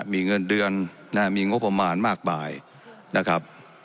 มีเงินเดือนมีงบประมาณมากมายนะครับ